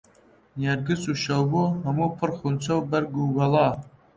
نێرگس و شەوبۆ هەموو پڕ غونچە و بەرگ و گەڵا